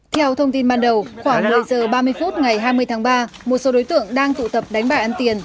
theo thông tin ban đầu khoảng một mươi h ba mươi phút ngày hai mươi tháng ba một số đối tượng đang tụ tập đánh bài ăn tiền